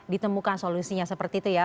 ditemukan solusinya seperti itu ya